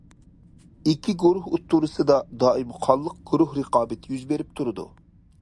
ئىككى گۇرۇھ ئوتتۇرىسىدا دائىم قانلىق گۇرۇھ رىقابىتى يۈز بېرىپ تۇرىدۇ.